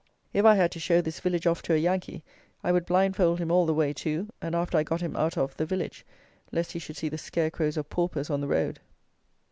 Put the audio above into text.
If I had to show this village off to a Yankee, I would blindfold him all the way to, and after I got him out of, the village, lest he should see the scare crows of paupers on the road.